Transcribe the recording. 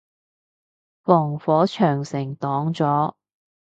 防火長城擋咗